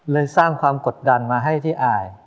สร้างความกดดันมาให้ที่อาย